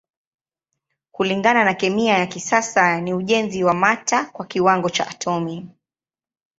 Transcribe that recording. Kulingana na kemia ya kisasa ni ujenzi wa mata kwa kiwango cha atomi.